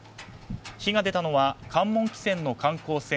火が出たのは関門汽船の観光船